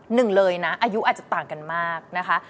หนึ่งเลยนะอายุอาจจะต่างกันมากนะคะ